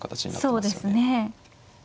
そうですね。